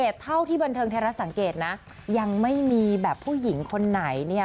ถ้าทังแต่ละก็หายไว้นะคะ